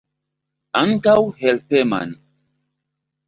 Ankaŭ helpeman.